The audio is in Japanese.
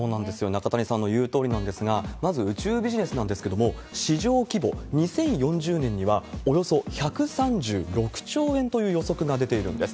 中谷さんの言うとおりなんですが、まず宇宙ビジネスなんですけれども、市場規模、２０４０年にはおよそ１３６兆円という予測が出ているんです。